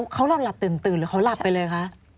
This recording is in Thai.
เขาหลับตื่นหรือเขาหลับไปเลยคะ